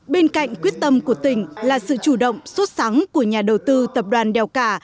bên cạnh quyết tâm của tỉnh là sự chủ động xuất sẵn của nhà đầu tư tập đoàn đèo cả